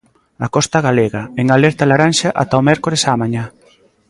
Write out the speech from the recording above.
A costa galega, en alerta laranxa ata o mércores á mañá.